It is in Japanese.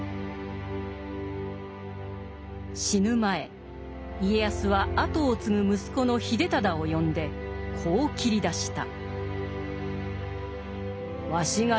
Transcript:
死ぬ前家康は後を継ぐ息子の秀忠を呼んでこう切り出した。